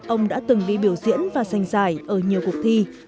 ông đã từng bị biểu diễn và giành giải ở nhiều cuộc thi